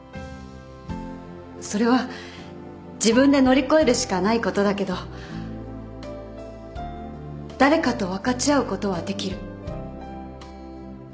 それは自分で乗り越えるしかないことだけど誰かと分かち合うことはできる。